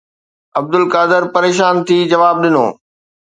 عبدالقادر پريشان ٿي جواب ڏنو